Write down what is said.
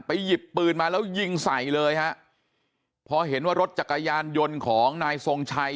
หยิบปืนมาแล้วยิงใส่เลยฮะพอเห็นว่ารถจักรยานยนต์ของนายทรงชัย